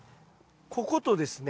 こことですね